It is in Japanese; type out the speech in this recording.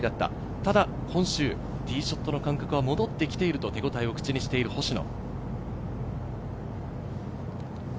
ただ今週、ティーショットの感覚は戻ってきていると手応えを口にしている星野。